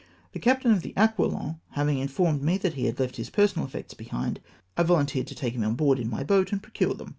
The captain of the Aquilon having informed me that he had left his personal effects behind, I volunteered to take him on board in my boat and procure them.